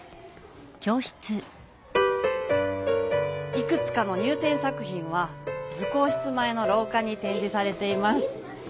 いくつかの入せん作品は図工室前のろうかにてんじされています。